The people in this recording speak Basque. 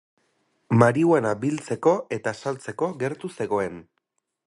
Marihuana biltzeko eta saltzeko gertu zegoen.